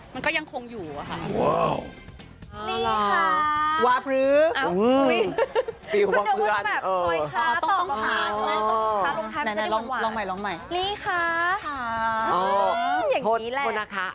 มันก็ยังคงอยู่อะค่ะ